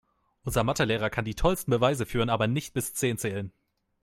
Unser Mathe-Lehrer kann die tollsten Beweise führen, aber nicht bis zehn zählen.